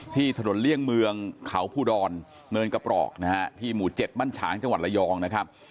ที่ถนนเลี่ยงเมืองเขาผู้ดอนเมืองกระปรอกที่หมู่๗บ้านฉางจังหวัดระยองนะครับ